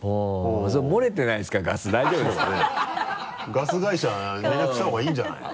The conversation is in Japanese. ガス会社に連絡した方がいいんじゃないの？